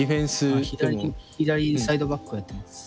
左左サイドバックをやってます。